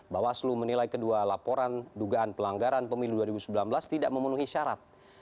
bawaslu menilai kedua laporan dugaan pelanggaran pemilu dua ribu sembilan belas tidak memenuhi syarat